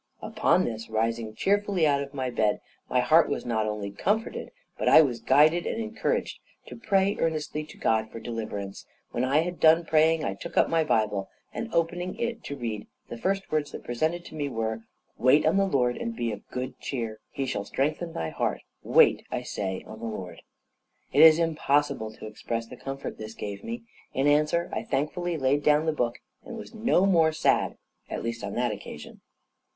Upon this, rising cheerfully out of my bed, my heart was not only comforted, but I was guided and encouraged to pray earnestly to God for deliverance; when I had done praying I took up my Bible, and, opening it to read, the first words that presented to me were, "Wait on the Lord, and be of good cheer, and He shall strengthen thy heart; wait, I say, on the Lord." It is impossible to express the comfort this gave me. In answer, I thankfully laid down the book, and was no more sad, at least on that occasion.